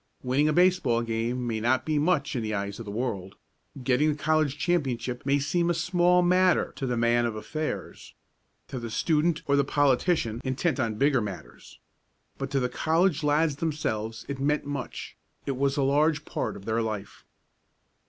Winning a baseball game may not be much in the eyes of the world, getting the college championship may seem a small matter to the man of affairs to the student or the politician, intent on bigger matters. But to the college lads themselves it meant much it was a large part of their life.